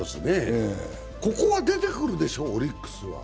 ここは出てくるでしょ、オリックスは。